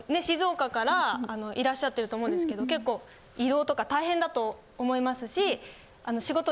静岡からいらっしゃってると思うんですけど結構移動とか大変だと思いますし。